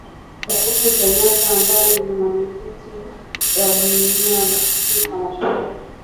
Rais Kenyatta ambaye ni Mwenyekiti wa Jumuia ya Afrika Mashariki